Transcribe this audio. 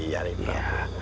biarin rai prabu